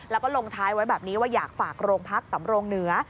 แล้วก็ลงท้ายไว้แบบนี้ว่าอยากฝากโรงพักสำรงเหนือ